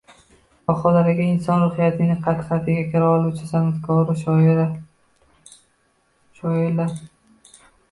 — Bahodir aka, inson ruhiyatining qat-qatiga kira oluvchi san’atkoru shoirlar